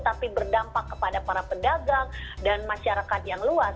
tapi berdampak kepada para pedagang dan masyarakat yang luas